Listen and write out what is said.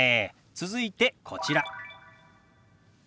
続いてこちら。